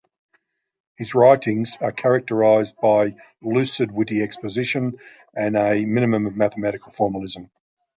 His writings are characterized by lucid witty exposition and a minimum of mathematical formalism.